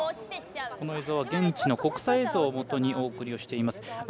この映像は現地の国際映像をもとにお送りしています。